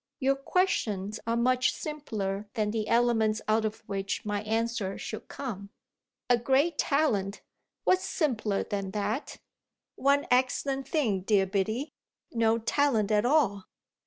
"Your questions are much simpler than the elements out of which my answer should come." "A great talent what's simpler than that?" "One excellent thing, dear Biddy: no talent at all!"